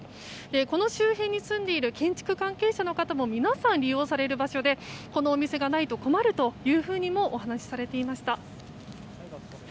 この周辺に住んでいる建築関係者の方も皆さん利用されているお店でこのお店がないと困るというふうにもお話しされていました。